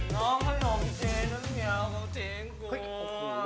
น้องน้องจริงน้องเมียวน้องจริงกว่า